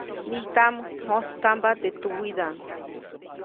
Mijtaʼm mjojtstampa teʼ tuwiʼdaʼm.